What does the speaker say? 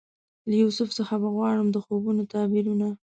له یوسف څخه به غواړم د خوبونو تعبیرونه